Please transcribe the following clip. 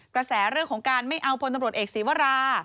กระแสเรื่องของการไม่เอาพลตำรวจเอกศีวรา